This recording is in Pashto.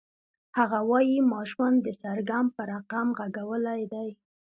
هغه وایی ما ژوند د سرګم په رقم غږولی دی